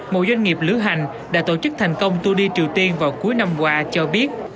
một doanh nghiệp lưu hành đã tổ chức thành công tour đi triều tiên vào cuối năm qua cho biết